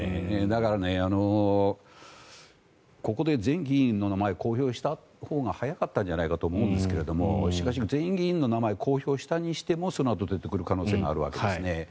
だから、ここで全議員の名前を公表したほうが早かったんじゃないかと思うんですがしかし、全員議員の名前を公表したにしてもそのあと出てくる可能性があるわけですね。